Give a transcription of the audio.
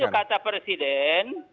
itu kata presiden